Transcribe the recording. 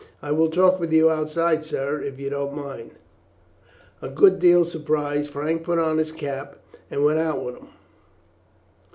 "I will talk with you outside, sir, if you don't mind." A good deal surprised Frank put on his cap and went out with him.